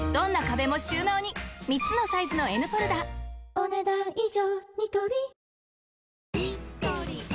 お、ねだん以上。